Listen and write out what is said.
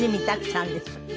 たくさんです。